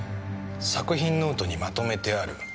「作品ノートにまとめてある」